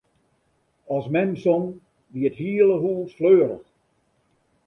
As mem song, wie it hiele hús fleurich.